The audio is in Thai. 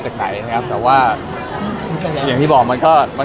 เหรอหวานเหรอ